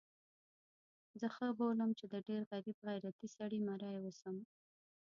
زه ښه بولم چې د ډېر غریب غیرتي سړي مریی اوسم.